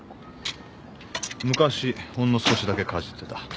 昔ほんの少しだけかじってた。